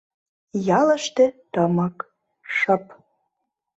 Ялыште тымык, шып.